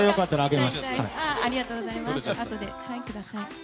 あとでください。